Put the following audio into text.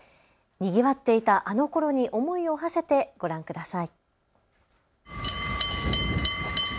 にぎわっていたあのころに思いをはせてご覧ください。